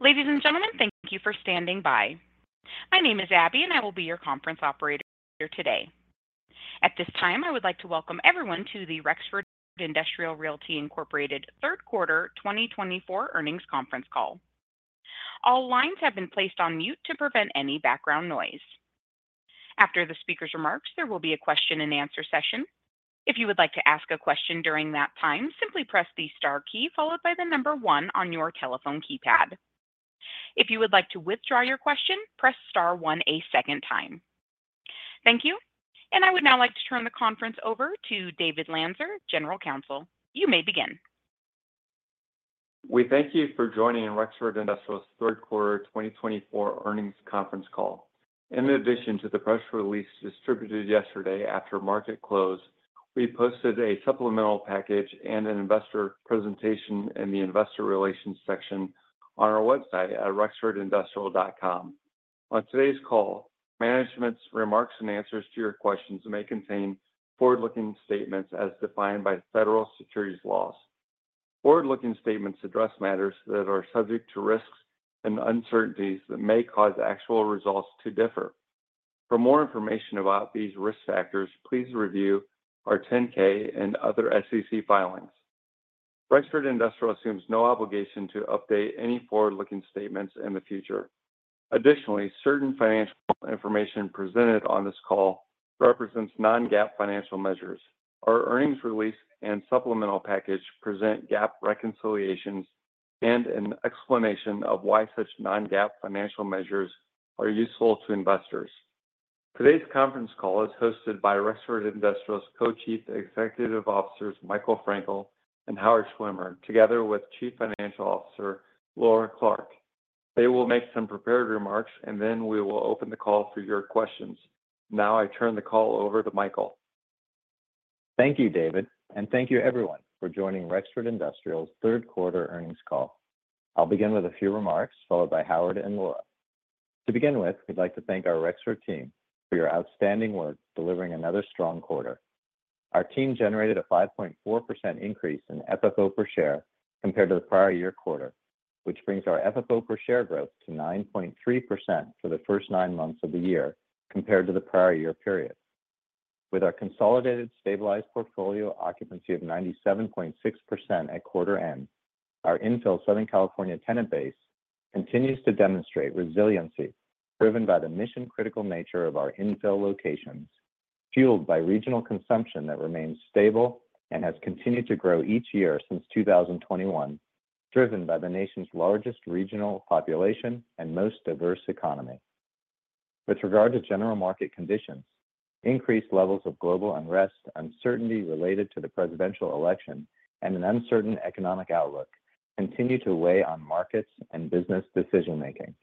Ladies and gentlemen, thank you for standing by. My name is Abby, and I will be your conference operator here today. At this time, I would like to welcome everyone to the Rexford Industrial Realty Incorporated Q3 2024 Earnings Conference Call. All lines have been placed on mute to prevent any background noise. After the speaker's remarks, there will be a question and answer session. If you would like to ask a question during that time, simply press the star key followed by the number one on your telephone keypad. If you would like to withdraw your question, press star one a second time. Thank you, and I would now like to turn the conference over to David Lanzer, General Counsel. You may begin. We thank you for joining Rexford Industrial's third quarter 2024 earnings conference call. In addition to the press release distributed yesterday after market close, we posted a supplemental package and an investor presentation in the investor relations section on our website at rexfordindustrial.com. On today's call, management's remarks and answers to your questions may contain forward-looking statements as defined by federal securities laws. Forward-looking statements address matters that are subject to risks and uncertainties that may cause actual results to differ. For more information about these risk factors, please review our 10-K and other SEC filings. Rexford Industrial assumes no obligation to update any forward-looking statements in the future. Additionally, certain financial information presented on this call represents non-GAAP financial measures. Our earnings release and supplemental package present GAAP reconciliations and an explanation of why such non-GAAP financial measures are useful to investors. Today's conference call is hosted by Rexford Industrial Realty's Co-Chief Executive Officers, Michael Frankel and Howard Schwimmer, together with Chief Financial Officer, Laura Clark. They will make some prepared remarks, and then we will open the call for your questions. Now I turn the call over to Michael. Thank you, David, and thank you everyone for joining Rexford Industrial's third quarter earnings call. I'll begin with a few remarks, followed by Howard and Laura. To begin with, we'd like to thank our Rexford team for your outstanding work, delivering another strong quarter. Our team generated a 5.4% increase in FFO per share compared to the prior year quarter, which brings our FFO per share growth to 9.3% for the first nine months of the year compared to the prior year period. With our consolidated stabilized portfolio occupancy of 97.6% at quarter end, our infill Southern California tenant base continues to demonstrate resiliency, driven by the mission-critical nature of our infill locations, fueled by regional consumption that remains stable and has continued to grow each year since 2021, driven by the nation's largest regional population and most diverse economy. With regard to general market conditions, increased levels of global unrest, uncertainty related to the presidential election, and an uncertain economic outlook continue to weigh on markets and business decision-making.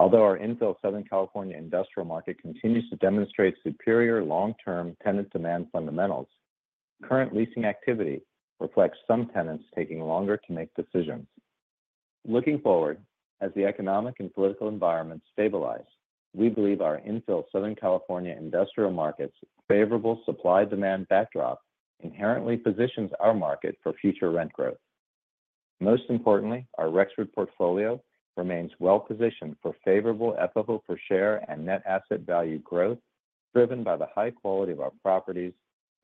Although our infill Southern California industrial market continues to demonstrate superior long-term tenant demand fundamentals, current leasing activity reflects some tenants taking longer to make decisions. Looking forward, as the economic and political environment stabilize, we believe our infill Southern California industrial markets' favorable supply-demand backdrop inherently positions our market for future rent growth. Most importantly, our Rexford portfolio remains well positioned for favorable FFO per share and net asset value growth, driven by the high quality of our properties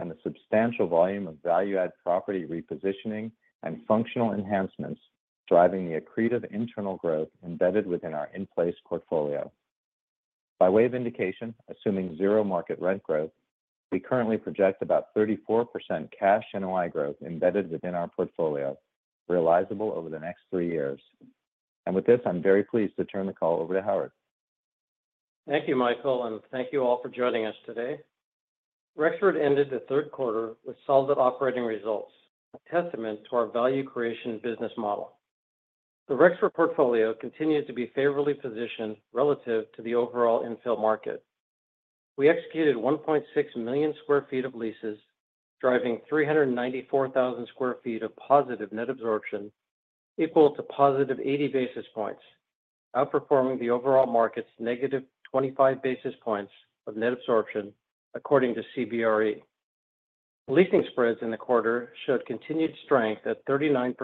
and the substantial volume of value-add property repositioning and functional enhancements, driving the accretive internal growth embedded within our in-place portfolio. By way of indication, assuming zero market rent growth, we currently project about 34% cash NOI growth embedded within our portfolio, realizable over the next three years, and with this, I'm very pleased to turn the call over to Howard. Thank you, Michael, and thank you all for joining us today. Rexford ended the third quarter with solid operating results, a testament to our value creation business model. The Rexford portfolio continues to be favorably positioned relative to the overall infill market. We executed 1.6 million sq ft of leases, driving 394,000 sq ft of positive net absorption, equal to positive 80 basis points, outperforming the overall market's negative 25 basis points of net absorption, according to CBRE. Leasing spreads in the quarter showed continued strength at 39%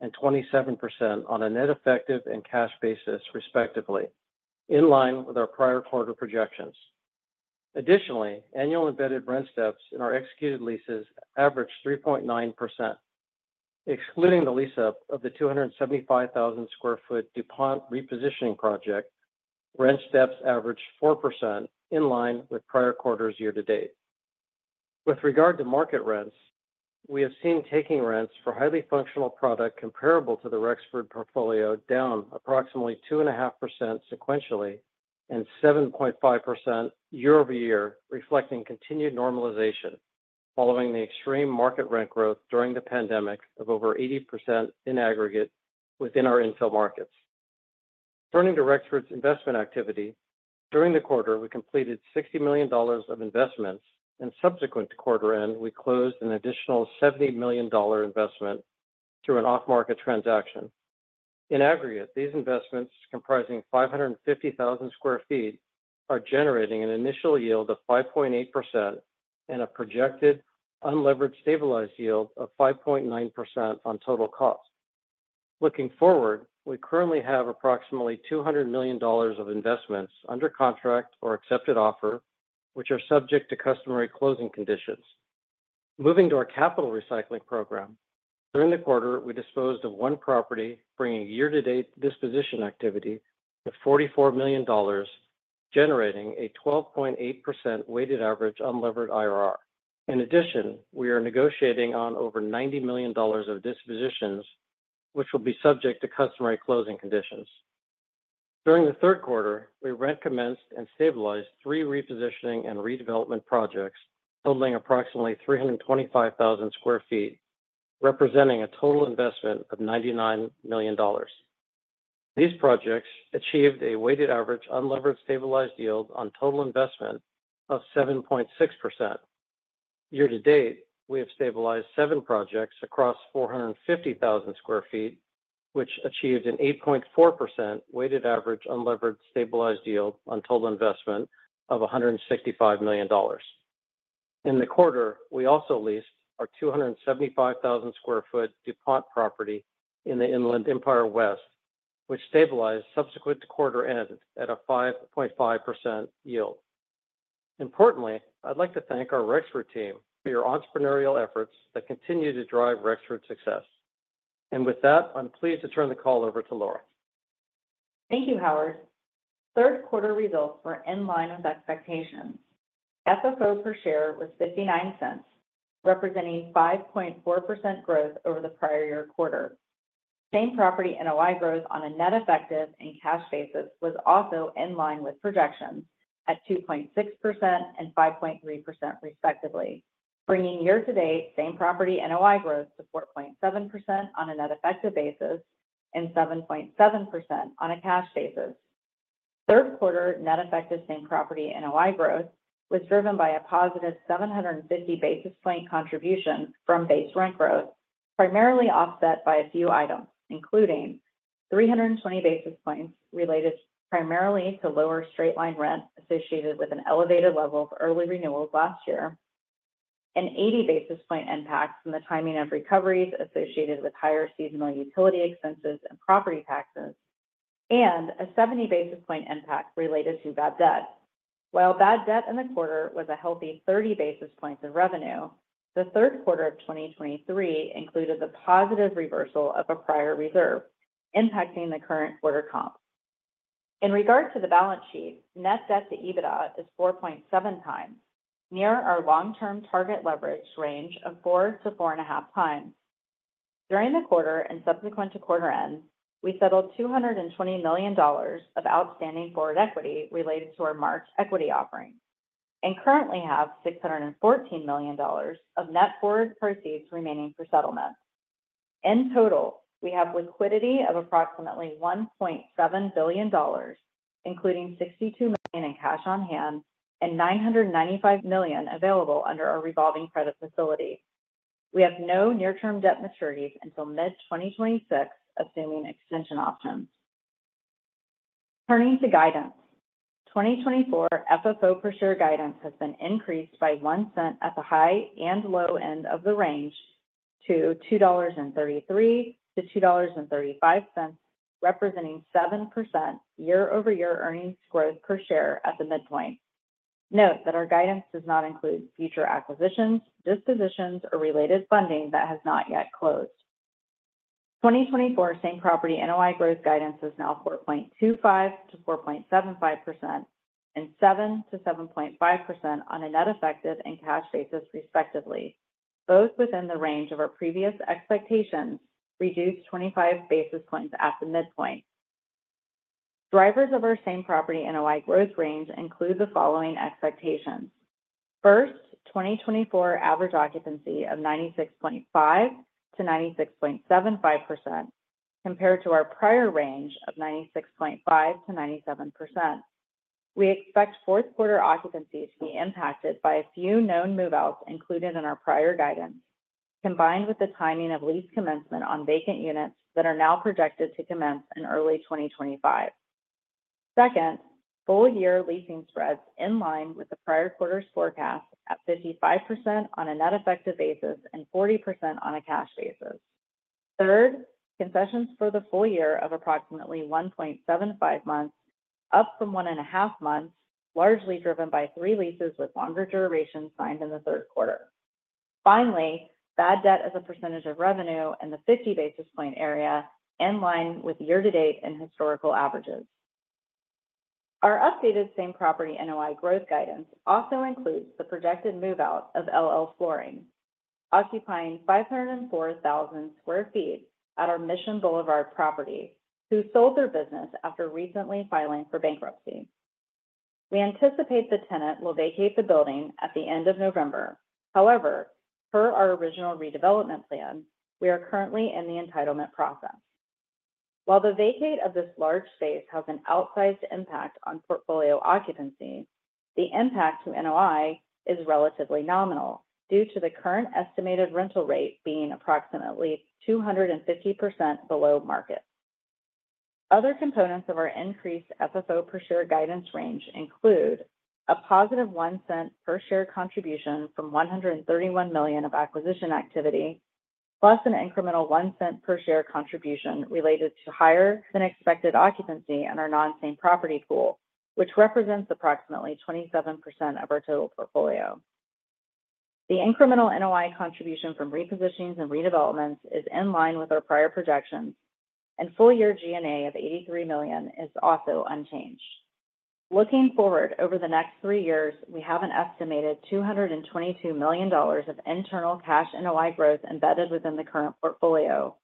and 27% on a net effective and cash basis, respectively, in line with our prior quarter projections. Additionally, annual embedded rent steps in our executed leases averaged 3.9%. Excluding the lease up of the 275,000 sq ft DuPont repositioning project, rent steps averaged 4% in line with prior quarters year to date. With regard to market rents, we have seen asking rents for highly functional product comparable to the Rexford portfolio down approximately 2.5% sequentially and 7.5% year over year, reflecting continued normalization following the extreme market rent growth during the pandemic of over 80% in aggregate within our infill markets. Turning to Rexford's investment activity, during the quarter, we completed $60 million of investments, and subsequent to quarter end, we closed an additional $70 million investment through an off-market transaction. In aggregate, these investments, comprising 550,000 sq ft-... are generating an initial yield of 5.8% and a projected unlevered stabilized yield of 5.9% on total cost. Looking forward, we currently have approximately $200 million of investments under contract or accepted offer, which are subject to customary closing conditions. Moving to our capital recycling program, during the quarter, we disposed of one property, bringing year-to-date disposition activity to $44 million, generating a 12.8% weighted average unlevered IRR. In addition, we are negotiating on over $90 million of dispositions, which will be subject to customary closing conditions. During the third quarter, we rent commenced and stabilized three repositioning and redevelopment projects, totaling approximately 325,000 sq ft, representing a total investment of $99 million. These projects achieved a weighted average unlevered stabilized yield on total investment of 7.6%. Year to date, we have stabilized seven projects across 450,000 sq ft, which achieved an 8.4% weighted average unlevered stabilized yield on total investment of $165 million. In the quarter, we also leased our 275,000 sq ft DuPont property in the Inland Empire West, which stabilized subsequent to quarter end at a 5.5% yield. Importantly, I'd like to thank our Rexford team for your entrepreneurial efforts that continue to drive Rexford's success. With that, I'm pleased to turn the call over to Laura. Thank you, Howard. Third quarter results were in line with expectations. FFO per share was $0.59, representing 5.4% growth over the prior year quarter. Same property NOI growth on a net effective and cash basis was also in line with projections at 2.6% and 5.3% respectively, bringing year-to-date same property NOI growth to 4.7% on a net effective basis and 7.7% on a cash basis. Third-quarter net-effective same-property NOI growth was driven by a positive 750 basis points contribution from base rent growth, primarily offset by a few items, including 320 basis points related primarily to lower straight-line rent associated with an elevated level of early renewals last year, an 80 basis points impact from the timing of recoveries associated with higher seasonal utility expenses and property taxes, and a 70 basis points impact related to bad debt. While bad debt in the quarter was a healthy 30 basis points of revenue, the third quarter of 2023 included the positive reversal of a prior reserve, impacting the current quarter comp. In regard to the balance sheet, net debt to EBITDA is 4.7 times, near our long-term target leverage range of 4-4.5 times. During the quarter and subsequent to quarter end, we settled $220 million of outstanding forward equity related to our March equity offering, and currently have $614 million of net forward proceeds remaining for settlement. In total, we have liquidity of approximately $1.7 billion, including $62 million in cash on hand and $995 million available under our revolving credit facility. We have no near-term debt maturities until mid-2026, assuming extension options. Turning to guidance, 2024 FFO per share guidance has been increased by $0.01 at the high and low end of the range to $2.33-$2.35, representing 7% YoY earnings growth per share at the midpoint. Note that our guidance does not include future acquisitions, dispositions, or related funding that has not yet closed. 2024 Same Property NOI growth guidance is now 4.25%-4.75%, and 7%-7.5% on a Net Effective and Cash basis, respectively, both within the range of our previous expectations, reduced 25 basis points at the midpoint. Drivers of our Same Property NOI growth range include the following expectations: First, 2024 average occupancy of 96.5%-96.75%, compared to our prior range of 96.5%-97%. We expect fourth quarter occupancy to be impacted by a few known move-outs included in our prior guidance, combined with the timing of lease commencement on vacant units that are now projected to commence in early 2025. Second, full year leasing spreads in line with the prior quarter's forecast at 55% on a net effective basis and 40% on a cash basis. Third, concessions for the full year of approximately 1.75 months, up from 1.5 months, largely driven by 3 leases with longer durations signed in the third quarter. Finally, bad debt as a percentage of revenue in the 50 basis point area in line with year to date and historical averages. Our updated same property NOI growth guidance also includes the projected move out of LL Flooring, occupying 504,000 sq ft at our Mission Boulevard property, who sold their business after recently filing for bankruptcy. We anticipate the tenant will vacate the building at the end of November. However, per our original redevelopment plan, we are currently in the entitlement process. While the vacate of this large space has an outsized impact on portfolio occupancy. The impact to NOI is relatively nominal due to the current estimated rental rate being approximately 250% below market. Other components of our increased FFO per share guidance range include a positive one cent per share contribution from $131 million of acquisition activity, plus an incremental one cent per share contribution related to higher than expected occupancy in our non-same property pool, which represents approximately 27% of our total portfolio. The incremental NOI contribution from repositionings and redevelopments is in line with our prior projections, and full year G&A of $83 million is also unchanged. Looking forward, over the next three years, we have an estimated $222 million of internal cash NOI growth embedded within the current portfolio,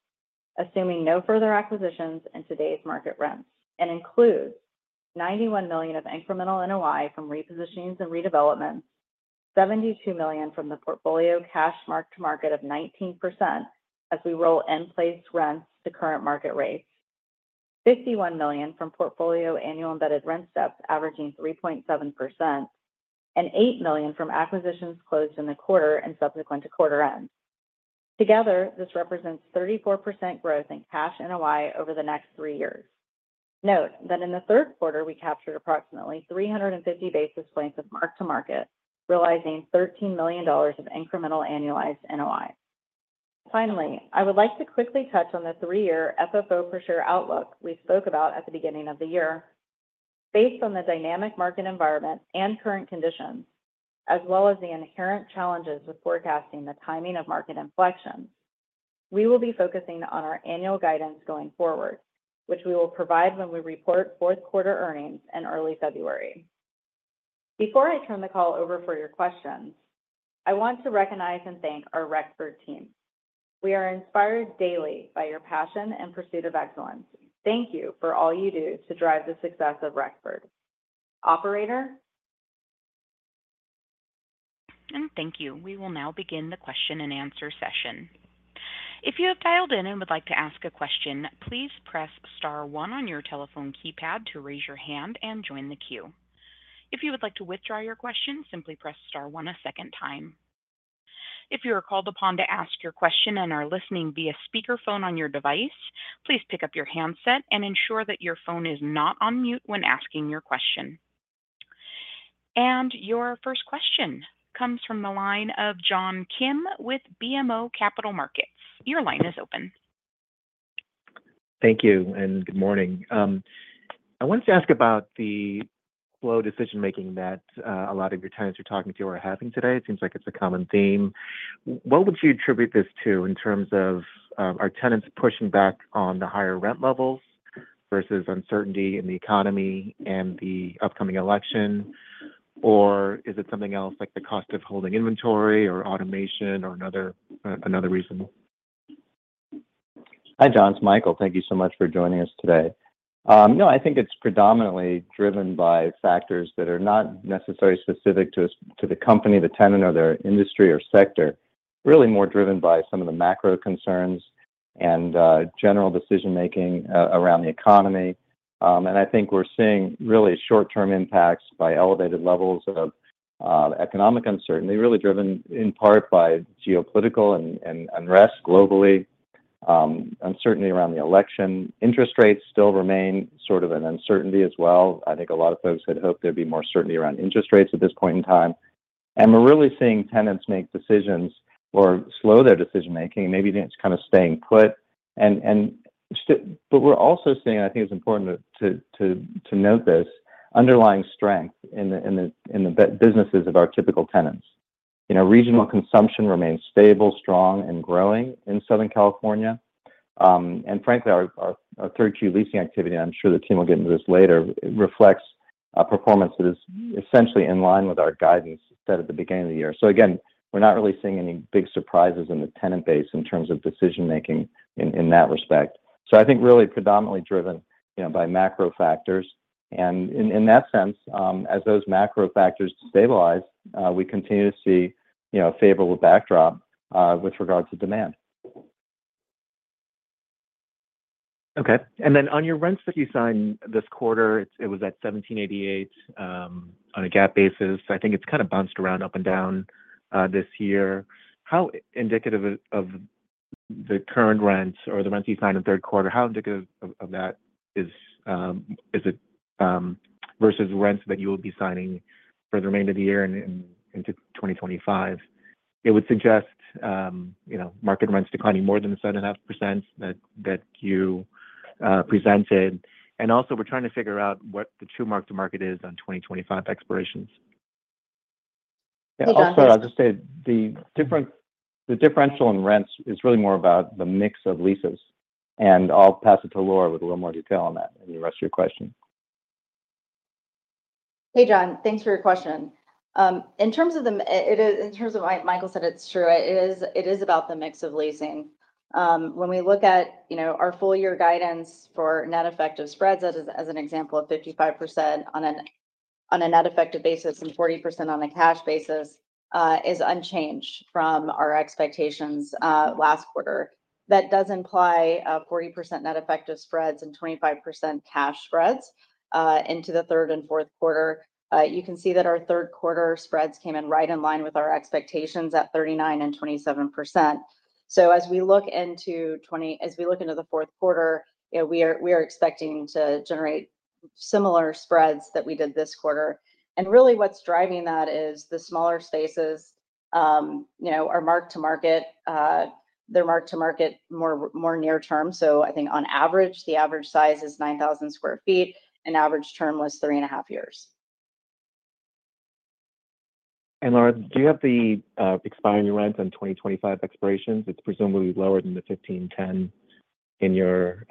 assuming no further acquisitions in today's market rents, and includes $91 million of incremental NOI from repositionings and redevelopments, $72 million from the portfolio cash mark-to-market of 19% as we roll in-place rents to current market rates. $51 million from portfolio annual embedded rent steps averaging 3.7%, and $8 million from acquisitions closed in the quarter and subsequent to quarter end. Together, this represents 34% growth in cash NOI over the next three years. Note that in the third quarter, we captured approximately 350 basis points of mark-to-market, realizing $13 million of incremental annualized NOI. Finally, I would like to quickly touch on the three-year FFO per share outlook we spoke about at the beginning of the year. Based on the dynamic market environment and current conditions, as well as the inherent challenges with forecasting the timing of market inflections, we will be focusing on our annual guidance going forward, which we will provide when we report fourth quarter earnings in early February. Before I turn the call over for your questions, I want to recognize and thank our Rexford team. We are inspired daily by your passion and pursuit of excellence. Thank you for all you do to drive the success of Rexford. Operator? Thank you. We will now begin the question and answer session. If you have dialed in and would like to ask a question, please press star one on your telephone keypad to raise your hand and join the queue. If you would like to withdraw your question, simply press star one a second time. If you are called upon to ask your question and are listening via speakerphone on your device, please pick up your handset and ensure that your phone is not on mute when asking your question. Your first question comes from the line of John Kim with BMO Capital Markets. Your line is open. Thank you, and good morning. I wanted to ask about the slow decision making that, a lot of your tenants you're talking to are having today. It seems like it's a common theme. What would you attribute this to in terms of, are tenants pushing back on the higher rent levels versus uncertainty in the economy and the upcoming election? Or is it something else, like the cost of holding inventory, or automation, or another reason? Hi, John, it's Michael. Thank you so much for joining us today. No, I think it's predominantly driven by factors that are not necessarily specific to us, to the company, the tenant, or their industry or sector, really more driven by some of the macro concerns and general decision making around the economy, and I think we're seeing really short-term impacts by elevated levels of economic uncertainty, really driven in part by geopolitical and unrest globally, uncertainty around the election. Interest rates still remain sort of an uncertainty as well. I think a lot of folks had hoped there'd be more certainty around interest rates at this point in time, and we're really seeing tenants make decisions or slow their decision making, and maybe it's kind of staying put. But we're also seeing, I think it's important to note this, underlying strength in the businesses of our typical tenants. You know, regional consumption remains stable, strong, and growing in Southern California. And frankly, our third Q leasing activity, I'm sure the team will get into this later, reflects a performance that is essentially in line with our guidance set at the beginning of the year. So again, we're not really seeing any big surprises in the tenant base in terms of decision making in that respect. So I think really predominantly driven, you know, by macro factors. And in that sense, as those macro factors stabilize, we continue to see, you know, a favorable backdrop with regard to demand. Okay. And then on your rents that you signed this quarter, it was at $17.88, on a GAAP basis. I think it's kind of bounced around, up and down, this year. How indicative of the current rents or the rents you signed in third quarter, how indicative of that is, is it, versus rents that you will be signing for the remainder of the year and into 2025? It would suggest, you know, market rents declining more than the 7.5% that you presented. And also, we're trying to figure out what the true mark to market is on 2025 expirations. Also, I'll just say the differential in rents is really more about the mix of leases, and I'll pass it to Laura with a little more detail on that and the rest of your question. Hey, John, thanks for your question. In terms of what Michael said, it's true. It is about the mix of leasing. When we look at, you know, our full year guidance for net effective spreads as an example of 55% on an-... on a net effective basis and 40% on a cash basis, is unchanged from our expectations, last quarter. That does imply, 40% net effective spreads and 25% cash spreads, into the third and fourth quarter. You can see that our third quarter spreads came in right in line with our expectations at 39% and 27%. So as we look into the fourth quarter, you know, we are expecting to generate similar spreads that we did this quarter. And really, what's driving that is the smaller spaces, you know, are mark-to-market. They're mark-to-market more near term. So I think on average, the average size is 9,000 sq ft, and average term was 3.5 years. Laura, do you have the expiring rents on 2025 expirations? It's presumably lower than the $15.10 in your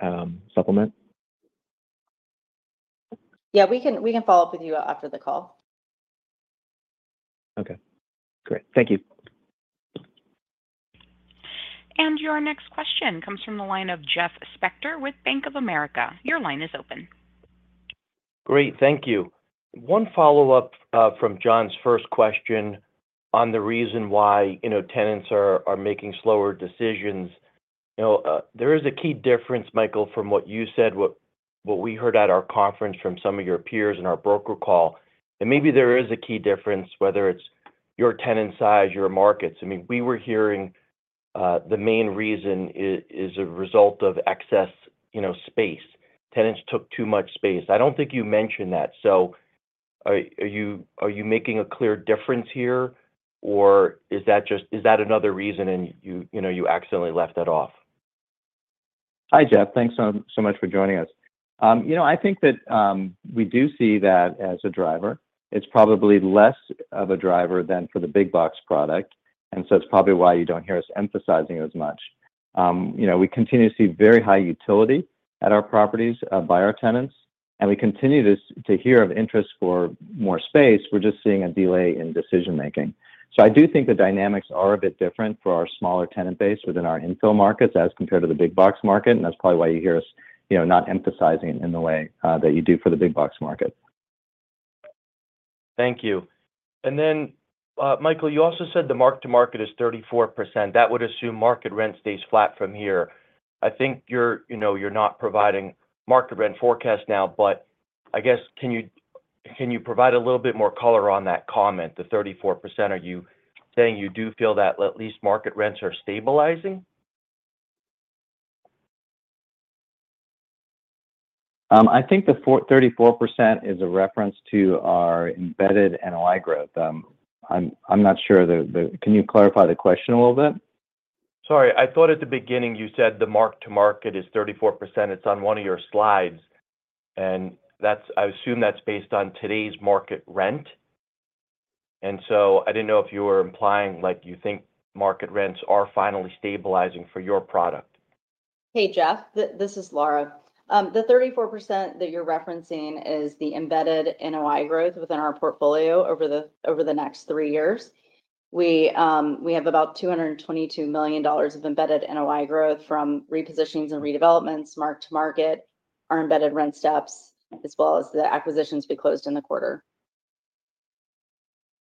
supplement? Yeah, we can, we can follow up with you after the call. Okay, great. Thank you. Your next question comes from the line of Jeff Spector with Bank of America. Your line is open. Great, thank you. One follow-up from John's first question on the reason why, you know, tenants are making slower decisions. You know, there is a key difference, Michael, from what you said, what we heard at our conference from some of your peers in our broker call. And maybe there is a key difference, whether it's your tenant size, your markets. I mean, we were hearing the main reason is a result of excess, you know, space. Tenants took too much space. I don't think you mentioned that, so are you making a clear difference here, or is that just another reason, and you know, you accidentally left that off? Hi, Jeff. Thanks so, so much for joining us. You know, I think that, we do see that as a driver. It's probably less of a driver than for the big box product, and so it's probably why you don't hear us emphasizing it as much. You know, we continue to see very high utility at our properties, by our tenants, and we continue to hear of interest for more space. We're just seeing a delay in decision making. So I do think the dynamics are a bit different for our smaller tenant base within our infill markets as compared to the big box market, and that's probably why you hear us, you know, not emphasizing it in the way, that you do for the big box market. Thank you. And then, Michael, you also said the mark-to-market is 34%. That would assume market rent stays flat from here. I think you're, you know, you're not providing market rent forecast now, but I guess, can you provide a little bit more color on that comment, the 34%? Are you saying you do feel that at least market rents are stabilizing? I think the 44% is a reference to our embedded NOI growth. I'm not sure. Can you clarify the question a little bit? Sorry, I thought at the beginning you said the mark-to-market is 34%. It's on one of your slides, and that's - I assume that's based on today's market rent. And so I didn't know if you were implying, like, you think market rents are finally stabilizing for your product. Hey, Jeff, this is Laura. The 34% that you're referencing is the embedded NOI growth within our portfolio over the next three years. We have about $222 million of embedded NOI growth from repositions and redevelopments, mark-to-market, our embedded rent steps, as well as the acquisitions we closed in the quarter.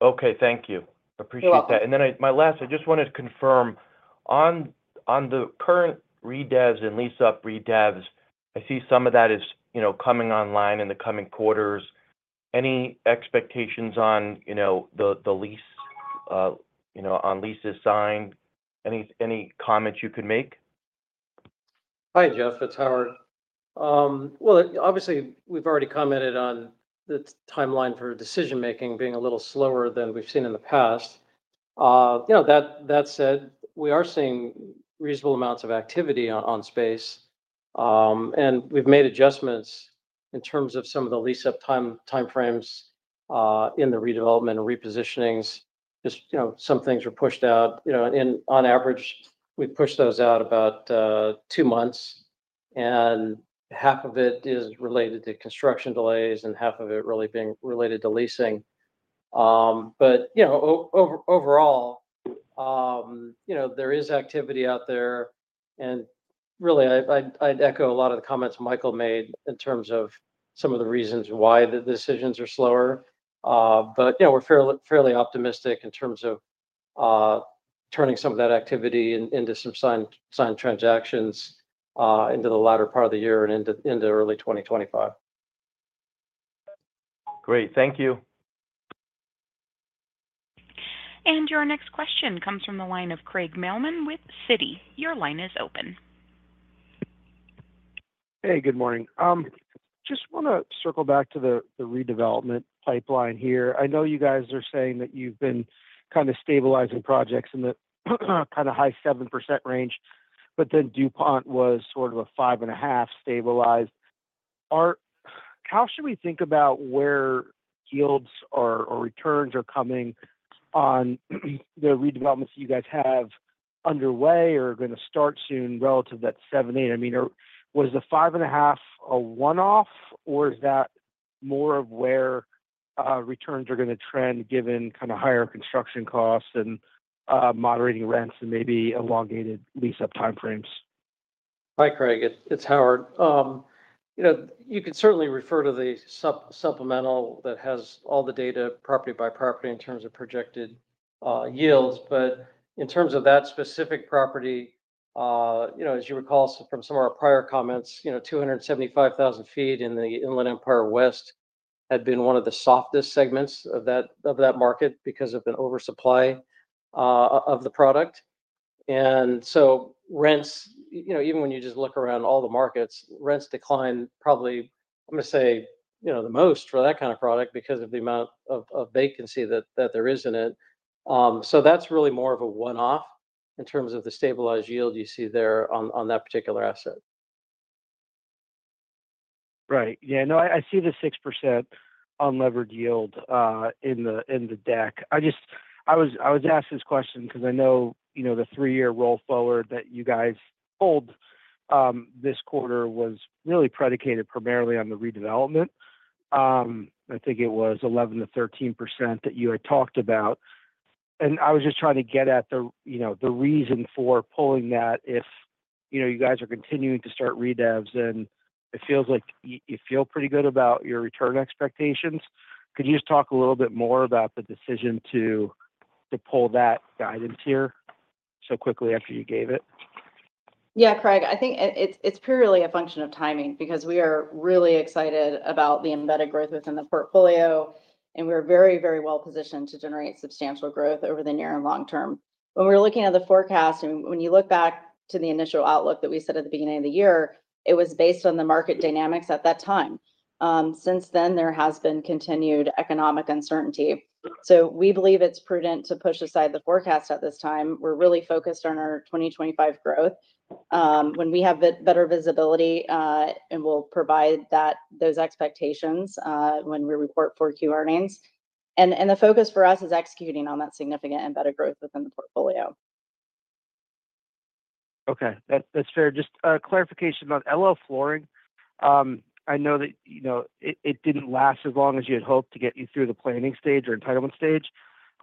Okay. Thank you. You're welcome. Appreciate that. And then, my last, I just wanted to confirm on the current redevs and lease-up redevs. I see some of that is, you know, coming online in the coming quarters. Any expectations on, you know, the lease, you know, on leases signed? Any comments you could make? Hi, Jeff, it's Howard. Well, obviously, we've already commented on the timeline for decision making being a little slower than we've seen in the past. You know, that said, we are seeing reasonable amounts of activity on space. And we've made adjustments in terms of some of the lease-up time frames in the redevelopment and repositionings. Just, you know, some things were pushed out. You know, and on average, we pushed those out about two months, and half of it is related to construction delays and half of it really being related to leasing. But, you know, overall, you know, there is activity out there. And really, I'd echo a lot of the comments Michael made in terms of some of the reasons why the decisions are slower. But, you know, we're fairly optimistic in terms of turning some of that activity into some signed transactions into the latter part of the year and into early 2025. Great. Thank you. And your next question comes from the line of Craig Mailman with Citi. Your line is open. Hey, good morning. Just wanna circle back to the redevelopment pipeline here. I know you guys are saying that you've been kind of stabilizing projects in the kind of high 7% range, but then DuPont was sort of a 5.5 stabilized. How should we think about where yields or returns are coming on the redevelopments that you guys have underway or are gonna start soon relative to that 7%-8%? I mean, or was the 5.5 a one-off, or is that more of where returns are gonna trend, given kind of higher construction costs and moderating rents and maybe elongated lease-up time frames?... Hi, Craig. It's Howard. You know, you can certainly refer to the supplemental that has all the data, property by property, in terms of projected yields. But in terms of that specific property, you know, as you recall from some of our prior comments, you know, 275,000 sq ft in the Inland Empire West had been one of the softest segments of that market because of an oversupply of the product. And so rents, you know, even when you just look around all the markets, rents decline probably. I'm gonna say, you know, the most for that kind of product because of the amount of vacancy that there is in it. So that's really more of a one-off in terms of the stabilized yield you see there on that particular asset. Right. Yeah, no, I see the 6% unlevered yield in the deck. I just... I was asking this question because I know, you know, the three-year roll forward that you guys pulled this quarter was really predicated primarily on the redevelopment. I think it was 11%-13% that you had talked about, and I was just trying to get at the, you know, the reason for pulling that if, you know, you guys are continuing to start redevs, then it feels like you feel pretty good about your return expectations. Could you just talk a little bit more about the decision to pull that guidance here so quickly after you gave it? Yeah, Craig. I think it's purely a function of timing because we are really excited about the embedded growth within the portfolio, and we're very, very well positioned to generate substantial growth over the near and long term. When we're looking at the forecast, and when you look back to the initial outlook that we set at the beginning of the year, it was based on the market dynamics at that time. Since then, there has been continued economic uncertainty. So we believe it's prudent to push aside the forecast at this time. We're really focused on our 2025 growth, when we have the better visibility, and we'll provide those expectations when we report 4Q earnings. And the focus for us is executing on that significant embedded growth within the portfolio. Okay, that's fair. Just clarification on LL Flooring. I know that, you know, it didn't last as long as you had hoped to get you through the planning stage or entitlement stage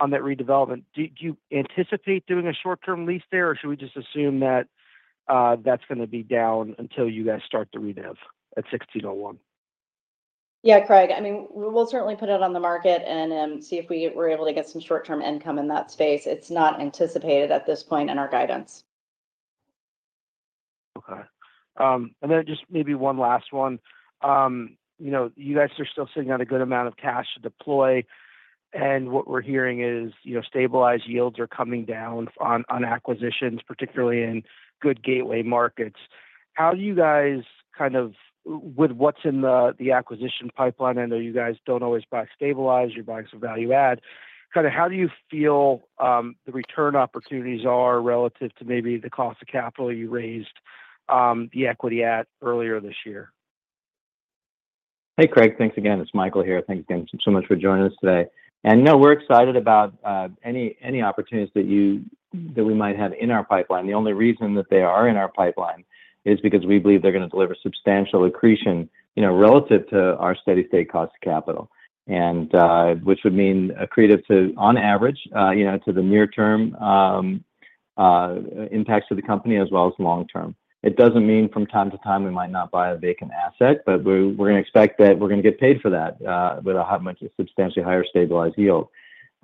on that redevelopment. Do you anticipate doing a short-term lease there, or should we just assume that that's gonna be down until you guys start the redev at 1601? Yeah, Craig. I mean, we will certainly put it on the market and see if we're able to get some short-term income in that space. It's not anticipated at this point in our guidance. Okay. And then just maybe one last one. You know, you guys are still sitting on a good amount of cash to deploy, and what we're hearing is, you know, stabilized yields are coming down on acquisitions, particularly in good gateway markets. How do you guys, kind of, with what's in the acquisition pipeline, I know you guys don't always buy stabilized. You're buying some value add. Kind of, how do you feel the return opportunities are relative to maybe the cost of capital you raised the equity at earlier this year? Hey, Craig. Thanks again. It's Michael here. Thank you so much for joining us today, and no, we're excited about any opportunities that we might have in our pipeline. The only reason that they are in our pipeline is because we believe they're gonna deliver substantial accretion, you know, relative to our steady-state cost of capital, and which would mean accretive to, on average, you know, to the near term impacts to the company as well as long term. It doesn't mean from time to time we might not buy a vacant asset, but we're gonna expect that we're gonna get paid for that with a much substantially higher stabilized yield.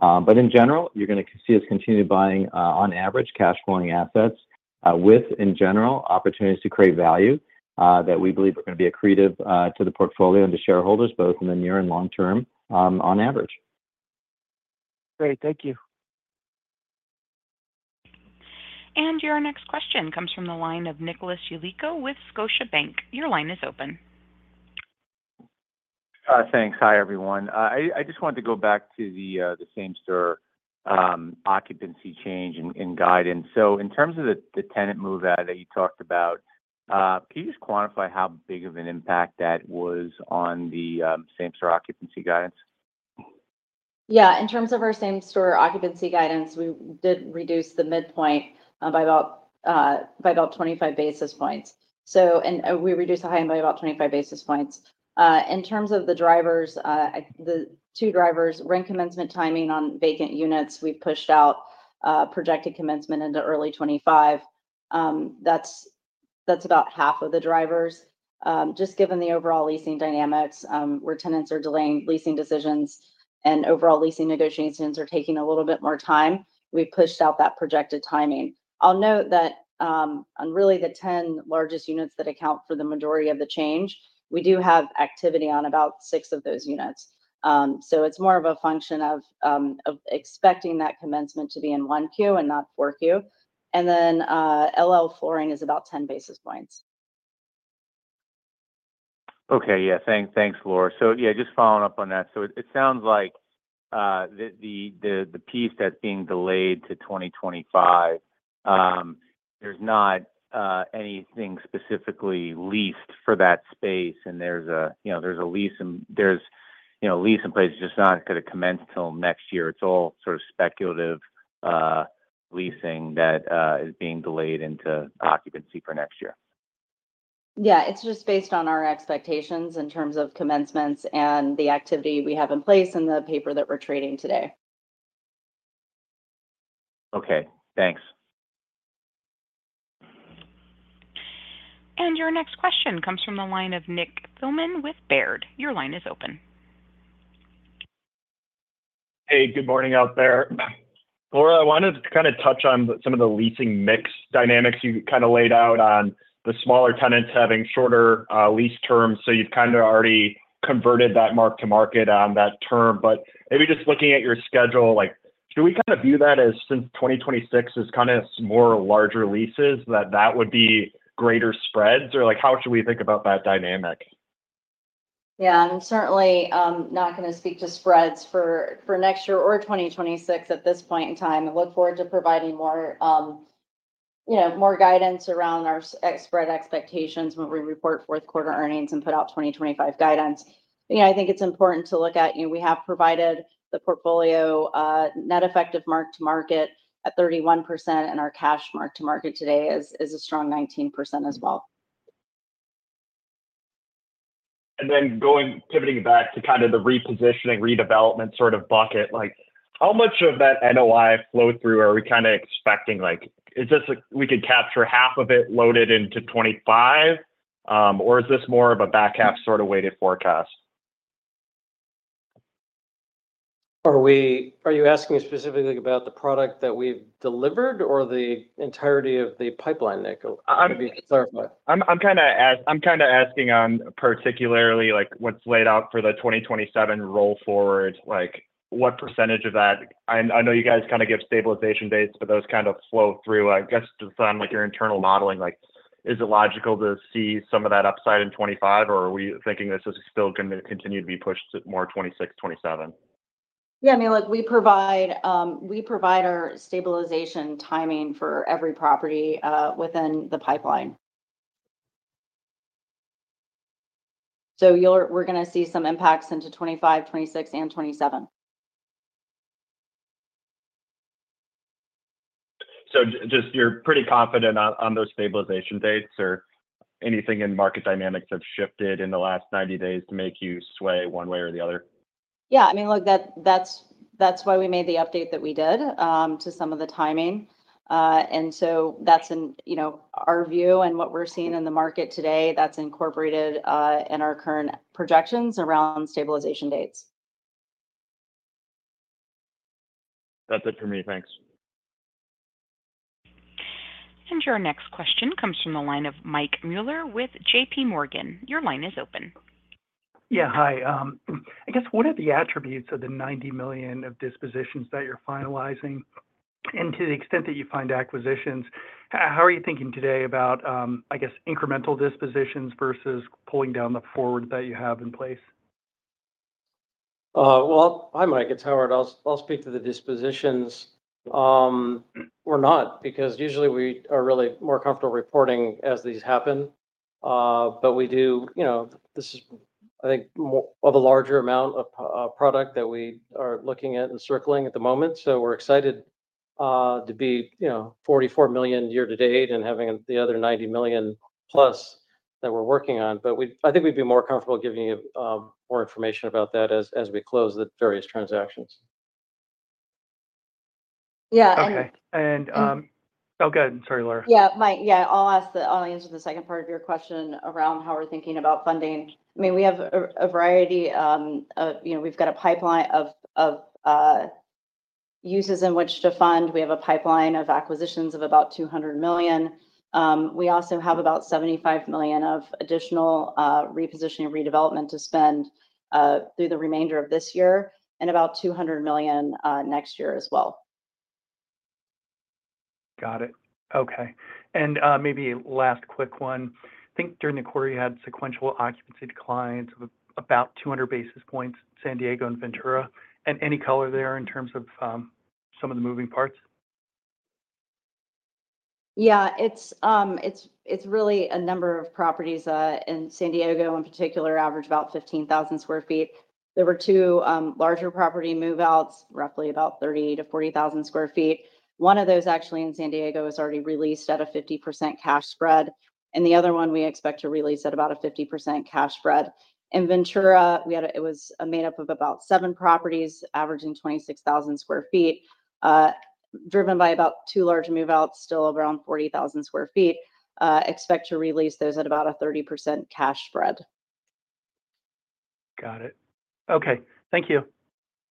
But in general, you're gonna see us continue buying, on average, cash flowing assets with, in general, opportunities to create value that we believe are gonna be accretive to the portfolio and the shareholders, both in the near and long term, on average. Great. Thank you. Your next question comes from the line of Nicholas Yulico with Scotiabank. Your line is open. Thanks. Hi, everyone. I just wanted to go back to the same store occupancy change in guidance, so in terms of the tenant move out that you talked about, can you just quantify how big of an impact that was on the same store occupancy guidance? Yeah. In terms of our same store occupancy guidance, we did reduce the midpoint by about 25 basis points. So, and we reduced the high end by about 25 basis points. In terms of the drivers, the two drivers, rent commencement, timing on vacant units, we pushed out projected commencement into early 2025. That's about half of the drivers. Just given the overall leasing dynamics, where tenants are delaying leasing decisions and overall leasing negotiations are taking a little bit more time, we pushed out that projected timing. I'll note that, on really the 10 largest units that account for the majority of the change, we do have activity on about 6 of those units. So it's more of a function of expecting that commencement to be in Q1 and not Q4. And then, LL Flooring is about ten basis points. Okay. Yeah. Thanks, Laura. So, yeah, just following up on that. So it sounds like the piece that's being delayed to 2025, there's not anything specifically leased for that space, and there's a lease in place. You know, it's just not gonna commence till next year. It's all sort of speculative leasing that is being delayed into occupancy for next year. Yeah, it's just based on our expectations in terms of commencements and the activity we have in place in the paper that we're trading today.... Okay, thanks. Your next question comes from the line of Nick Thillman with Baird. Your line is open. Hey, good morning out there. Laura, I wanted to kind of touch on some of the leasing mix dynamics you kind of laid out on the smaller tenants having shorter lease terms. So you've kind of already converted that mark to market on that term. But maybe just looking at your schedule, like, do we kind of view that as since 2026 as kind of more larger leases, that would be greater spreads? Or, like, how should we think about that dynamic? Yeah, I'm certainly not gonna speak to spreads for next year or 2026 at this point in time. I look forward to providing more, you know, more guidance around our spread expectations when we report fourth quarter earnings and put out 2025 guidance. You know, I think it's important to look at, you know, we have provided the portfolio net effective mark-to-market at 31%, and our cash mark-to-market today is a strong 19% as well. Pivoting back to kind of the repositioning, redevelopment sort of bucket, like, how much of that NOI flow through are we kind of expecting? Like, is this a... We could capture half of it loaded into 2025, or is this more of a back half sort of weighted forecast? Are you asking specifically about the product that we've delivered or the entirety of the pipeline, Nick? I'm- Sorry, go ahead. I'm kind of asking particularly, like, what's laid out for the 2027 roll forward. Like, what percentage of that...? I know you guys kind of give stabilization dates, but those kind of flow through. I guess, just on, like, your internal modeling, like, is it logical to see some of that upside in 2025, or are we thinking this is still gonna continue to be pushed to more 2026, 2027? Yeah, I mean, like, we provide our stabilization timing for every property within the pipeline. So we're gonna see some impacts into 2025, 2026, and 2027. So just you're pretty confident on those stabilization dates, or anything in market dynamics have shifted in the last 90 days to make you sway one way or the other? Yeah, I mean, look, that's why we made the update that we did to some of the timing. And so that's in, you know, our view and what we're seeing in the market today, that's incorporated in our current projections around stabilization dates. That's it for me. Thanks. And your next question comes from the line of Mike Mueller with J.P. Morgan. Your line is open. Yeah, hi. I guess what are the attributes of the $90 million of dispositions that you're finalizing? And to the extent that you find acquisitions, how are you thinking today about, I guess, incremental dispositions versus pulling down the forward that you have in place? Well, hi, Mike, it's Howard. I'll speak to the dispositions. We're not, because usually we are really more comfortable reporting as these happen. But we do. You know, this is, I think, more of a larger amount of product that we are looking at and circling at the moment. So we're excited to be, you know, $44 million year to date and having the other $90 million+ that we're working on. But I think we'd be more comfortable giving you more information about that as we close the various transactions. Yeah, and- Okay. And... Oh, go ahead. Sorry, Laura. Yeah, Mike, yeah, I'll answer the second part of your question around how we're thinking about funding. I mean, we have a variety, you know, we've got a pipeline of uses in which to fund. We have a pipeline of acquisitions of about $200 million. We also have about $75 million of additional repositioning, redevelopment to spend through the remainder of this year, and about $200 million next year as well. Got it. Okay. And, maybe last quick one. I think during the quarter, you had sequential occupancy declines of about 200 basis points, San Diego and Ventura. And any color there in terms of, some of the moving parts? Yeah, it's really a number of properties in San Diego, in particular, average about 15,000 sq ft. There were two larger property move-outs, roughly about 30,000-40,000 sq ft. One of those, actually in San Diego, is already released at a 50% cash spread, and the other one we expect to release at about a 50% cash spread. In Ventura, we had it was made up of about seven properties, averaging 26,000 sq ft, driven by about two large move-outs, still around 40,000 sq ft. Expect to release those at about a 30% cash spread. Got it. Okay, thank you.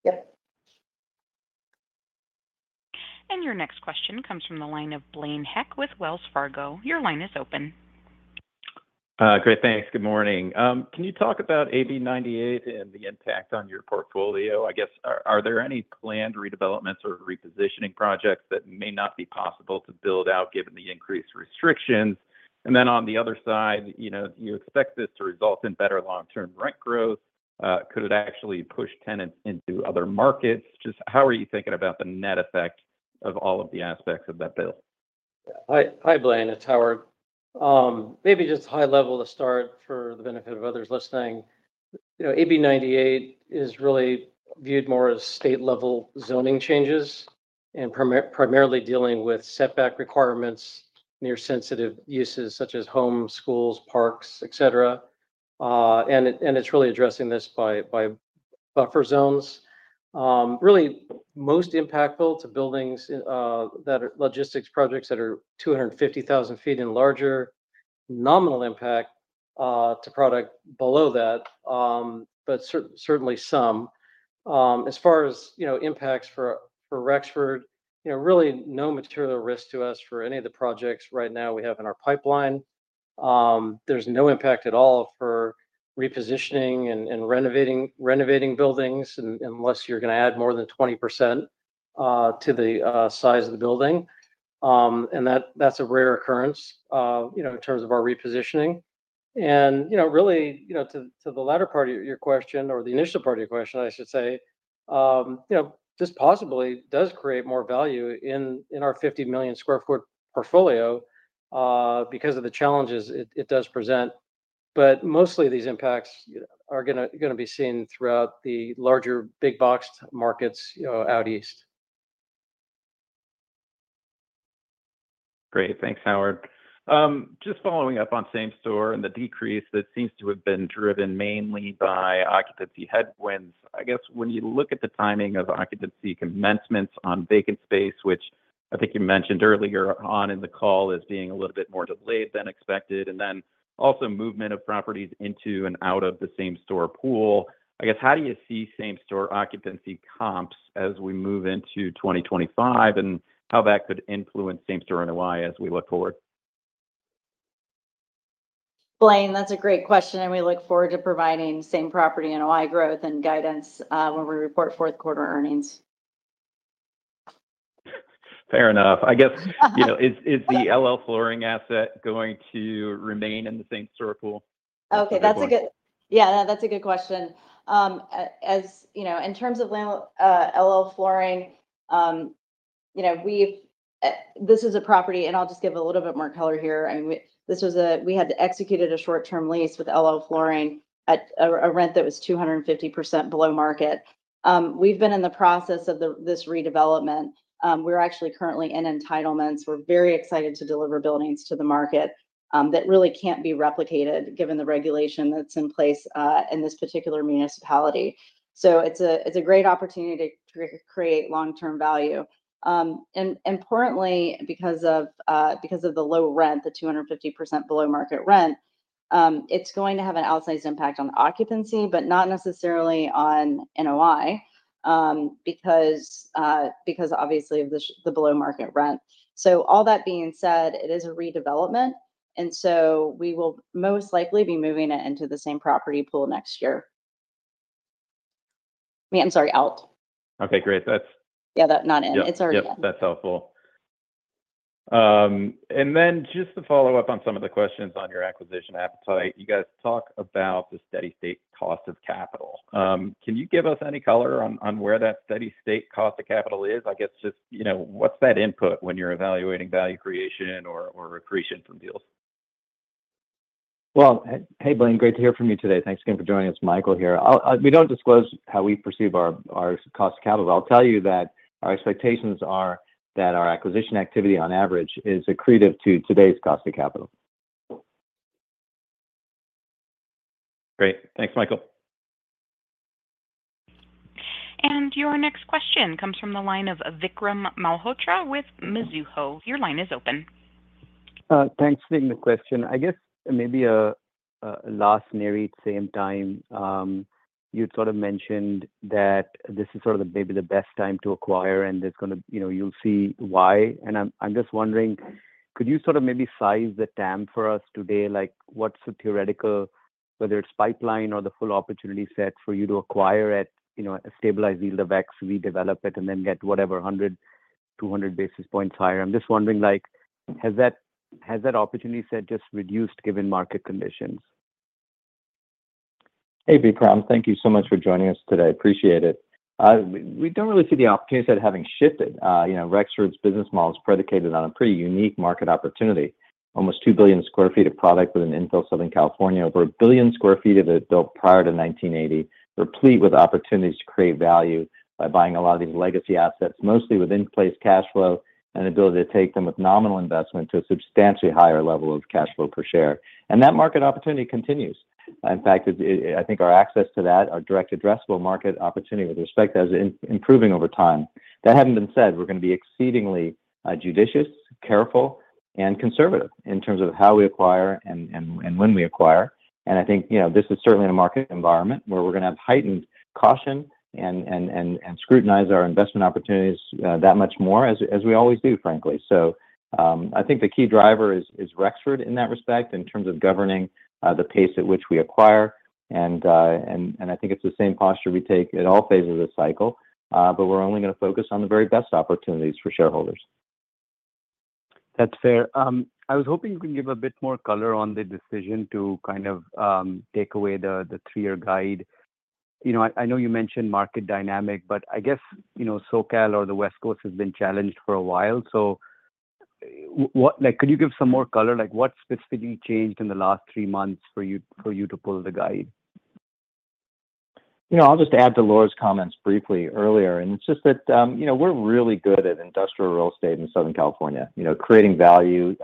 Yep. Your next question comes from the line of Blaine Heck with Wells Fargo. Your line is open. Great, thanks. Good morning. Can you talk about AB 98 and the impact on your portfolio? I guess, are there any planned redevelopments or repositioning projects that may not be possible to build out given the increased restrictions? And then on the other side, you know, you expect this to result in better long-term rent growth. Could it actually push tenants into other markets? Just how are you thinking about the net effect of all of the aspects of that bill? Hi, hi, Blaine. It's Howard. Maybe just high level to start for the benefit of others listening. You know, AB 98 is really viewed more as state-level zoning changes and primarily dealing with setback requirements, near sensitive uses, such as homes, schools, parks, et cetera. And it's really addressing this by buffer zones. Really most impactful to buildings that are logistics projects that are 250,000 ft and larger. Nominal impact to product below that, but certainly some. As far as, you know, impacts for Rexford, you know, really no material risk to us for any of the projects right now we have in our pipeline. There's no impact at all for repositioning and renovating buildings unless you're gonna add more than 20% to the size of the building. And that's a rare occurrence, you know, in terms of our repositioning. And you know, really, to the latter part of your question or the initial part of your question, I should say, you know, this possibly does create more value in our 50 million sq ft portfolio because of the challenges it does present. But mostly these impacts, you know, are gonna be seen throughout the larger big box markets, you know, out east. Great. Thanks, Howard. Just following up on same store and the decrease that seems to have been driven mainly by occupancy headwinds. I guess when you look at the timing of occupancy commencements on vacant space, which I think you mentioned earlier on in the call, as being a little bit more delayed than expected, and then also movement of properties into and out of the same store pool. I guess, how do you see same store occupancy comps as we move into 2025, and how that could influence same store NOI as we look forward? Blaine, that's a great question, and we look forward to providing Same Property NOI growth and guidance when we report fourth quarter earnings. Fair enough. I guess, you know, is the LL Flooring asset going to remain in the same store pool? Okay, that's a good- Or big one. Yeah, that's a good question. As you know, in terms of LL, LL Flooring, you know, we've this is a property, and I'll just give a little bit more color here. I mean, we this was a. We had to execute a short-term lease with LL Flooring at a rent that was 250% below market. We've been in the process of the this redevelopment. We're actually currently in entitlements. We're very excited to deliver buildings to the market that really can't be replicated, given the regulation that's in place in this particular municipality. So it's a great opportunity to create long-term value. And importantly, because of the low rent, the 250% below market rent, it's going to have an outsized impact on the occupancy, but not necessarily on NOI. Because obviously of the below market rent. So all that being said, it is a redevelopment, and so we will most likely be moving it into the same property pool next year. I'm sorry, out. Okay, great. That's- Yeah, that's not in. Yep. It's already in. Yep, that's helpful. And then just to follow up on some of the questions on your acquisition appetite, you guys talk about the steady state cost of capital. Can you give us any color on where that steady state cost of capital is? I guess just, you know, what's that input when you're evaluating value creation or accretion from deals? Hey, Blaine, great to hear from you today. Thanks again for joining us. Michael here. I'll, we don't disclose how we perceive our cost of capital. I'll tell you that our expectations are that our acquisition activity on average is accretive to today's cost of capital. Great. Thanks, Michael. And your next question comes from the line of Vikram Malhotra with Mizuho. Your line is open. Thanks for taking the question. I guess maybe a last narrative same time, you'd sort of mentioned that this is sort of maybe the best time to acquire, and it's gonna you know, you'll see why. And I'm just wondering, could you sort of maybe size the opportunity for us today? Like, what's the theoretical, whether it's pipeline or the full opportunity set for you to acquire at, you know, a stabilized yield of X, redevelop it, and then get whatever, hundred, two hundred basis points higher. I'm just wondering, like, has that opportunity set just reduced given market conditions? Hey, Vikram, thank you so much for joining us today. Appreciate it. We don't really see the opportunity set having shifted. You know, Rexford's business model is predicated on a pretty unique market opportunity. Almost 2 billion sq ft of product within infill Southern California, over a billion sq ft of it built prior to nineteen eighty, replete with opportunities to create value by buying a lot of these legacy assets, mostly with in-place cash flow, and ability to take them with nominal investment to a substantially higher level of cash flow per share. That market opportunity continues. In fact, I think our access to that, our direct addressable market opportunity with respect to that, is improving over time. That having been said, we're gonna be exceedingly judicious, careful, and conservative in terms of how we acquire and when we acquire. And I think, you know, this is certainly a market environment where we're gonna have heightened caution and scrutinize our investment opportunities that much more, as we always do, frankly. So I think the key driver is Rexford in that respect, in terms of governing the pace at which we acquire. And I think it's the same posture we take at all phases of the cycle. But we're only gonna focus on the very best opportunities for shareholders. That's fair. I was hoping you could give a bit more color on the decision to kind of take away the three-year guide. You know, I know you mentioned market dynamic, but I guess, you know, SoCal or the West Coast has been challenged for a while. So what... Like, could you give some more color? Like, what specifically changed in the last three months for you to pull the guide?... You know, I'll just add to Laura's comments briefly earlier, and it's just that, you know, we're really good at industrial real estate in Southern California. You know, creating value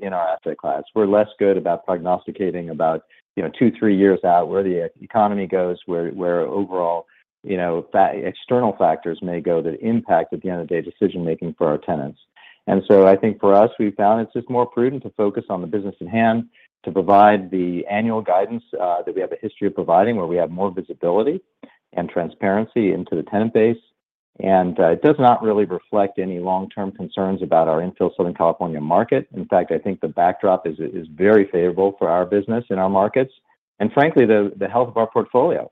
in our asset class. We're less good about prognosticating about, you know, two, three years out, where the economy goes, where overall, you know, external factors may go that impact, at the end of the day, decision-making for our tenants. And so I think for us, we've found it's just more prudent to focus on the business at hand, to provide the annual guidance that we have a history of providing, where we have more visibility and transparency into the tenant base. And it does not really reflect any long-term concerns about our infill Southern California market. In fact, I think the backdrop is very favorable for our business and our markets. Frankly, the health of our portfolio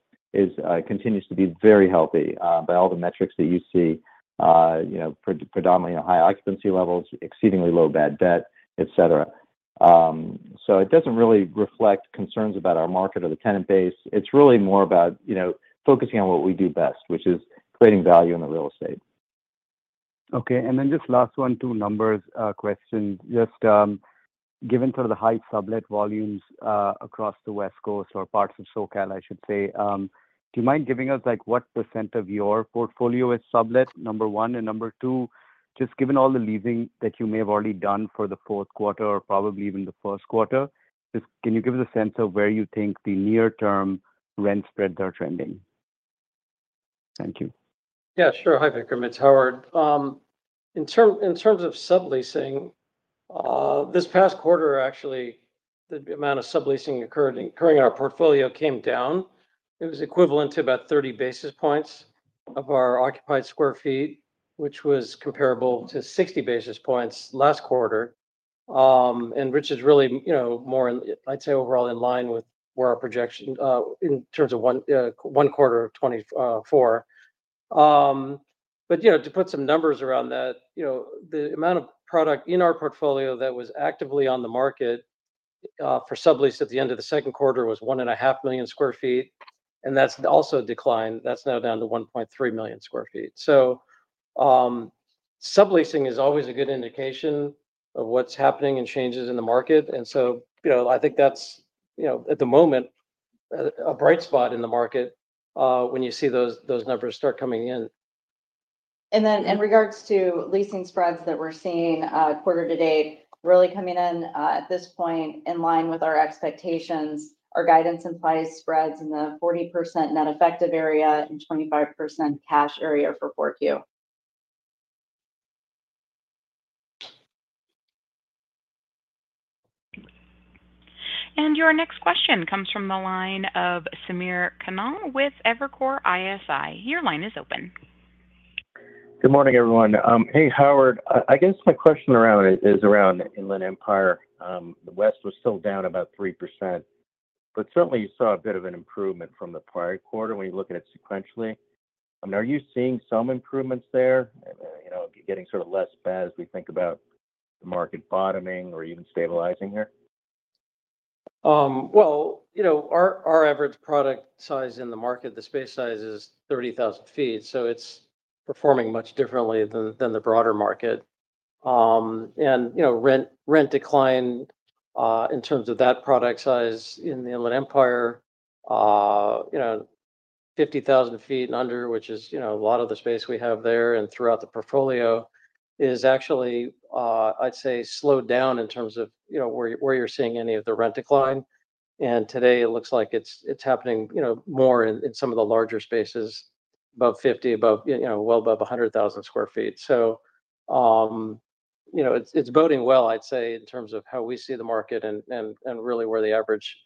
continues to be very healthy by all the metrics that you see, you know, predominantly high occupancy levels, exceedingly low bad debt, et cetera. So it doesn't really reflect concerns about our market or the tenant base. It's really more about, you know, focusing on what we do best, which is creating value in the real estate. Okay, and then just last one, two numbers, question. Just, given sort of the high sublet volumes, across the West Coast or parts of SoCal, I should say, do you mind giving us, like, what % of your portfolio is sublet? Number one, and number two, just given all the leasing that you may have already done for the fourth quarter, or probably even the first quarter, just can you give us a sense of where you think the near-term rent spreads are trending? Thank you. Yeah, sure. Hi, Vikram, it's Howard. In terms of subleasing, this past quarter, actually, the amount of subleasing occurring in our portfolio came down. It was equivalent to about 30 basis points of our occupied square feet, which was comparable to 60 basis points last quarter. And which is really, you know, more, I'd say, overall in line with where our projection in terms of one quarter of 2024. But, you know, to put some numbers around that, you know, the amount of product in our portfolio that was actively on the market for sublease at the end of the second quarter was 1.5 million sq ft, and that's also declined. That's now down to 1.3 million sq ft. So, subleasing is always a good indication of what's happening in changes in the market, and so, you know, I think that's, you know, at the moment, a bright spot in the market, when you see those numbers start coming in. And then in regards to leasing spreads that we're seeing quarter-to-date, really coming in at this point in line with our expectations. Our guidance implies spreads in the 40% net effective range and 25% cash range for 4Q. And your next question comes from the line of Samir Khanal with Evercore ISI. Your line is open. Good morning, everyone. Hey, Howard. I guess my question around it is around the Inland Empire. The West was still down about 3%, but certainly you saw a bit of an improvement from the prior quarter when you look at it sequentially. Are you seeing some improvements there? You know, getting sort of less bad as we think about the market bottoming or even stabilizing here? Well, you know, our average product size in the market, the space size, is 30,000 sq ft, so it's performing much differently than the broader market. You know, rent decline in terms of that product size in the Inland Empire, 50,000 sq ft and under, which is, you know, a lot of the space we have there and throughout the portfolio, is actually, I'd say, slowed down in terms of where you're seeing any of the rent decline. Today it looks like it's happening, you know, more in some of the larger spaces, above 50, you know, well above 100,000 sq ft. So, you know, it's boding well, I'd say, in terms of how we see the market and really where the average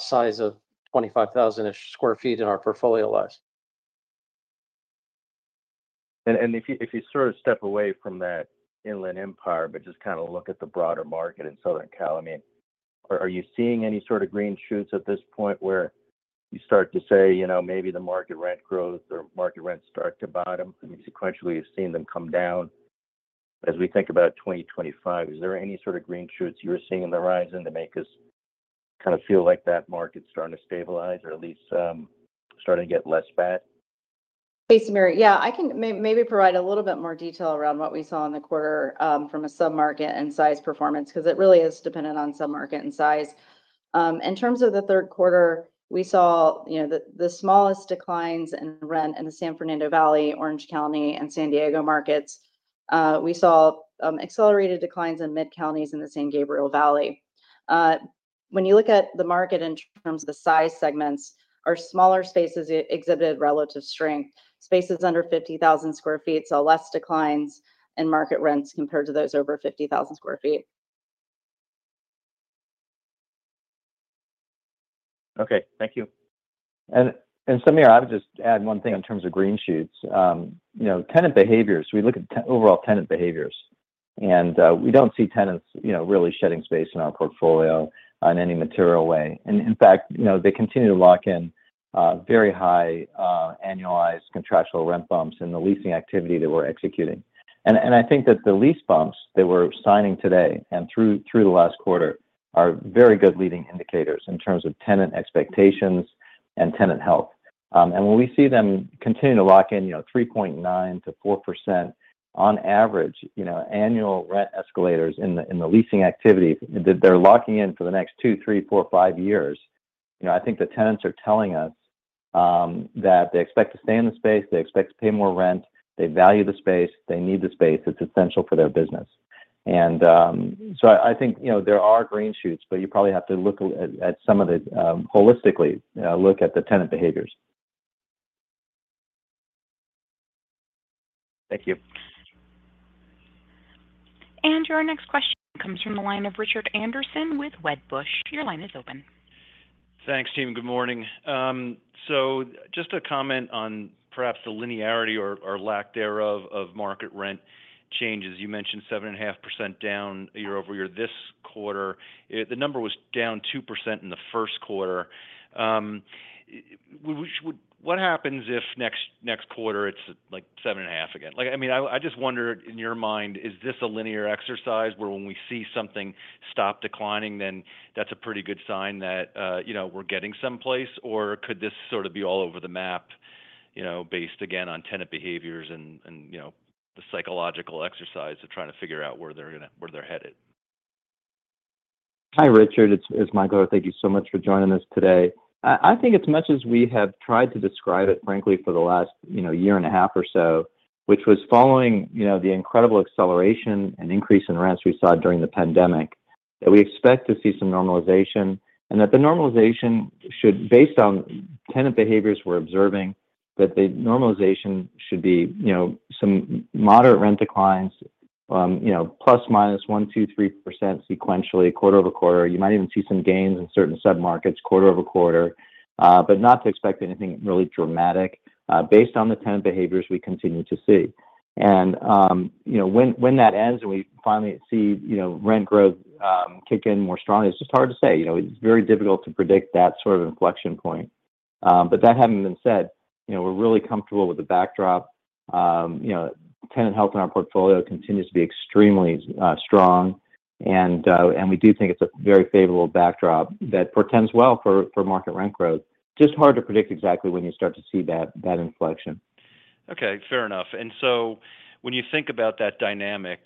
size of 25,000-ish sq ft in our portfolio lies. And if you sort of step away from that Inland Empire, but just kind of look at the broader market in Southern California, are you seeing any sort of green shoots at this point, where you start to say, you know, maybe the market rent growth or market rents start to bottom? I mean, sequentially, you've seen them come down. As we think about 2025, is there any sort of green shoots you were seeing on the horizon that make us kind of feel like that market's starting to stabilize or at least, starting to get less bad? Thanks, Samir. Yeah, I can maybe provide a little bit more detail around what we saw in the quarter, from a sub-market and size performance, because it really is dependent on sub-market and size. In terms of the third quarter, we saw the smallest declines in rent in the San Fernando Valley, Orange County, and San Diego markets. We saw accelerated declines in Mid-Counties and the San Gabriel Valley. When you look at the market in terms of the size segments, our smaller spaces exhibited relative strength. Spaces under 50,000 sq ft saw less declines in market rents compared to those over 50,000 sq ft. Okay. Thank you. Samir, I would just add one thing in terms of green shoots. You know, tenant behaviors, we look at overall tenant behaviors, and we don't see tenants, you know, really shedding space in our portfolio in any material way. And in fact, you know, they continue to lock in very high annualized contractual rent bumps in the leasing activity that we're executing. And I think that the lease bumps that we're signing today, and through the last quarter, are very good leading indicators in terms of tenant expectations and tenant health. And when we see them continuing to lock in, you know, 3.9%-4% on average, you know, annual rent escalators in the leasing activity that they're locking in for the next two, three, four, five years... You know, I think the tenants are telling us that they expect to stay in the space, they expect to pay more rent, they value the space, they need the space. It's essential for their business. And, so I think, you know, there are green shoots, but you probably have to look at some of the holistically, look at the tenant behaviors. Thank you. Our next question comes from the line of Richard Anderson with Wedbush. Your line is open. Thanks, team. Good morning. So just to comment on perhaps the linearity or, or lack thereof of market rent changes. You mentioned 7.5% down year over year this quarter. The number was down 2% in the first quarter. Which would—what happens if next, next quarter, it's like 7.5% again? Like, I mean, I just wonder, in your mind, is this a linear exercise, where when we see something stop declining, then that's a pretty good sign that, you know, we're getting someplace? Or could this sort of be all over the map, you know, based again on tenant behaviors and, and, you know, the psychological exercise of trying to figure out where they're gonna—where they're headed? Hi, Richard. It's Michael. Thank you so much for joining us today. I think as much as we have tried to describe it, frankly, for the last, you know, year and a half or so, which was following, you know, the incredible acceleration and increase in rents we saw during the pandemic, that we expect to see some normalization, and that the normalization should, based on tenant behaviors we're observing, that the normalization should be, you know, some moderate rent declines, ±1%-3% sequentially, quarter over quarter. You might even see some gains in certain sub-markets, quarter over quarter. But not to expect anything really dramatic, based on the tenant behaviors we continue to see. You know, when that ends and we finally see, you know, rent growth kick in more strongly, it's just hard to say. You know, it's very difficult to predict that sort of inflection point. But that having been said, you know, we're really comfortable with the backdrop. You know, tenant health in our portfolio continues to be extremely strong. And we do think it's a very favorable backdrop that portends well for market rent growth. Just hard to predict exactly when you'll start to see that inflection. Okay, fair enough. And so when you think about that dynamic,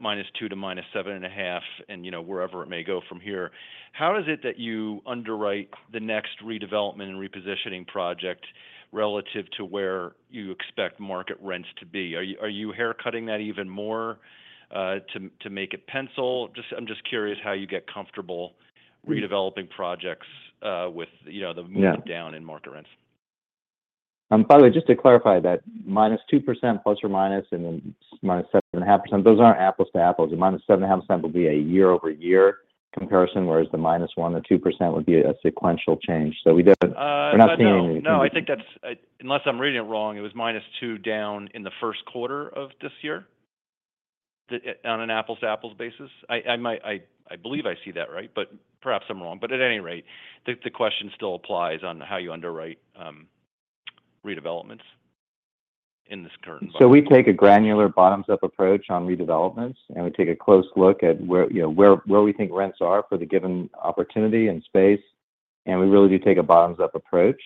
minus two to minus seven and a half, and, you know, wherever it may go from here, how is it that you underwrite the next redevelopment and repositioning project relative to where you expect market rents to be? Are you, are you haircutting that even more, to make it pencil? Just... I'm just curious how you get comfortable redeveloping projects, with, you know- Yeah... the move down in market rents. By the way, just to clarify, that -2% ±, and then -7.5%, those aren't apples to apples. The -7.5% would be a year-over-year comparison, whereas the -1% or 2% would be a sequential change. So we didn't- Uh- We're not seeing any- No, I think that's, unless I'm reading it wrong, it was minus two down in the first quarter of this year, on an apples-to-apples basis. I might... I believe I see that right, but perhaps I'm wrong. But at any rate, the question still applies on how you underwrite redevelopments in this current environment. So we take a granular bottoms-up approach on redevelopments, and we take a close look at where, you know, where we think rents are for the given opportunity and space, and we really do take a bottoms-up approach.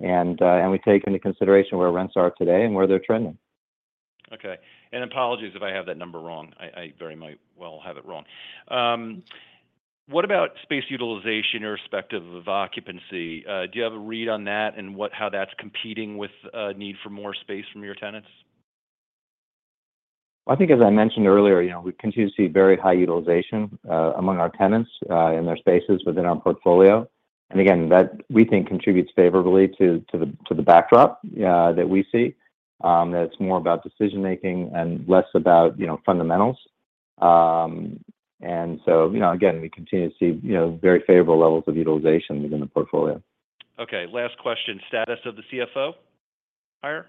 And we take into consideration where rents are today and where they're trending. Okay. And apologies if I have that number wrong. I very well might have it wrong. What about space utilization irrespective of occupancy? Do you have a read on that, and how that's competing with need for more space from your tenants? I think, as I mentioned earlier, you know, we continue to see very high utilization among our tenants in their spaces within our portfolio. And again, that, we think, contributes favorably to the backdrop that we see. That it's more about decision making and less about, you know, fundamentals. And so, you know, again, we continue to see, you know, very favorable levels of utilization within the portfolio. Okay, last question. Status of the CFO hire?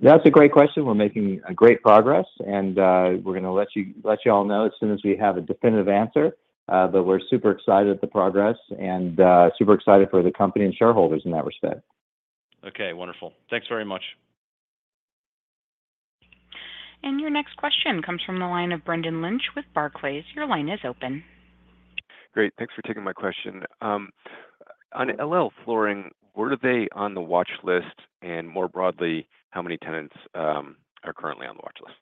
That's a great question. We're making great progress, and we're gonna let you all know as soon as we have a definitive answer. But we're super excited at the progress, and super excited for the company and shareholders in that respect. Okay, wonderful. Thanks very much. And your next question comes from the line of Brendan Lynch with Barclays. Your line is open. Great. Thanks for taking my question. On LL Flooring, where are they on the watch list? And more broadly, how many tenants are currently on the watch list?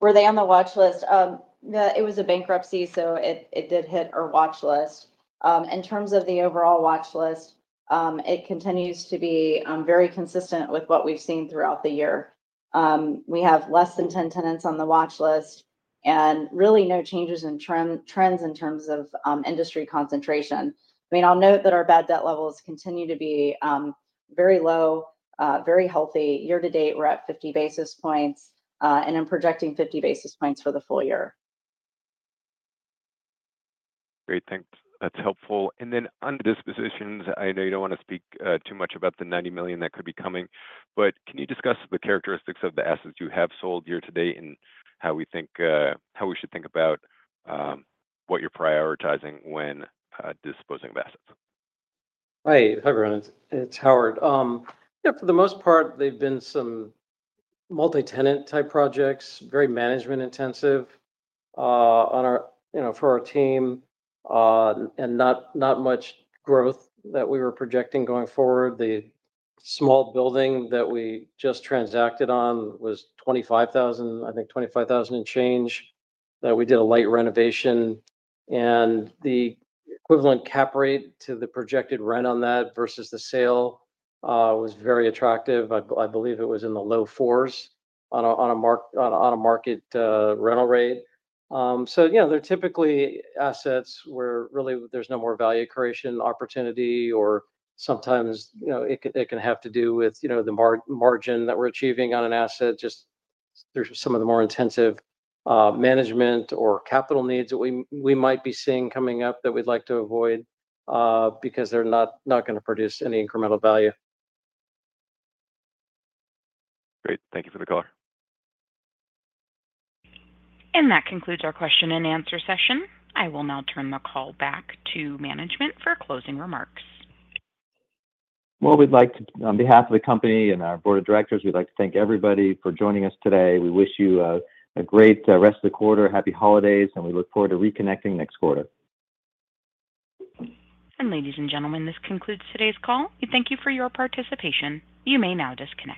Were they on the watch list? It was a bankruptcy, so it did hit our watch list. In terms of the overall watch list, it continues to be very consistent with what we've seen throughout the year. We have less than 10 tenants on the watch list, and really no changes in terms of trends in terms of industry concentration. I mean, I'll note that our bad debt levels continue to be very low, very healthy. Year to date, we're at 50 basis points, and I'm projecting 50 basis points for the full year. Great, thanks. That's helpful. And then on dispositions, I know you don't want to speak too much about the $90 million that could be coming, but can you discuss the characteristics of the assets you have sold year to date, and how we think, how we should think about what you're prioritizing when disposing of assets? Hi. Hi, everyone. It's Howard. Yeah, for the most part, they've been some multi-tenant type projects, very management intensive, on our, you know, for our team. And not much growth that we were projecting going forward. The small building that we just transacted on was 25,000, I think 25,000 and change, that we did a light renovation. And the equivalent cap rate to the projected rent on that versus the sale was very attractive. I believe it was in the low fours on a market rental rate. So you know, they're typically assets where really there's no more value creation opportunity or sometimes, you know, it can have to do with, you know, the margin that we're achieving on an asset. Just, there's some of the more intensive management or capital needs that we might be seeing coming up that we'd like to avoid, because they're not gonna produce any incremental value. Great. Thank you for the color. That concludes our question and answer session. I will now turn the call back to management for closing remarks. We'd like to, on behalf of the company and our board of directors, we'd like to thank everybody for joining us today. We wish you a great rest of the quarter, happy holidays, and we look forward to reconnecting next quarter. Ladies and gentlemen, this concludes today's call. We thank you for your participation. You may now disconnect.